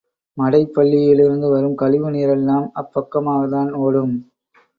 மடைப் பள்ளியிலிருந்து வரும் கழுநீர் எல்லாம் அப்பக்கமாகத்தான் ஓடும்.